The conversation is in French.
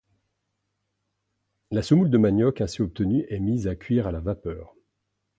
La semoule de manioc ainsi obtenue est mise à cuire à la vapeur.